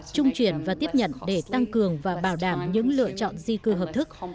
trung chuyển và tiếp nhận để tăng cường và bảo đảm những lựa chọn di cư hợp thức